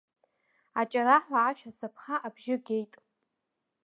Аҷараҳәа ашә ацаԥха абжьы геит.